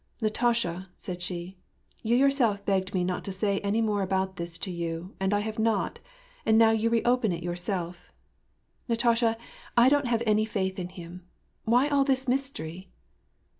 " Natasha," said she, " you yourself begged me not to say any more about this to you, and I have not ; and now you re open it yourself. Natasha, I don't have any faith in him. Why all this mystery